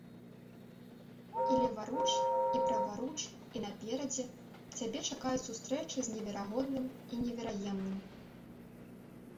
І леваруч, і праваруч, і наперадзе цябе чакаюць сустрэчы з неверагодным і невераемным.